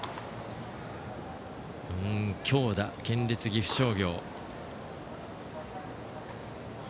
強打、県立岐阜商業。